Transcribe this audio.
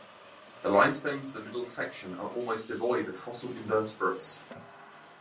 The limestones of the middle section are almost devoid of fossil invertebrates.